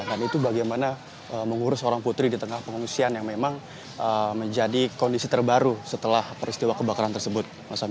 dan itu bagaimana mengurus seorang putri di tengah pengungsian yang memang menjadi kondisi terbaru setelah peristiwa kebakaran tersebut